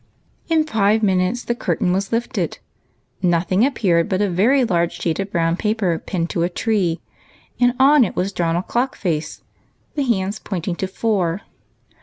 In five minutes the curtain was lifted ; nothing ap peared but a very large sheet of brown paper pinned to a tree, and on it was drawn a clock face, the hands pointing to four.